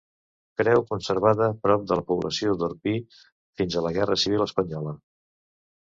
Creu conservada prop la població d'Orpí fins a la guerra civil espanyola.